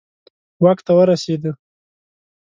واک ته ورسېدي.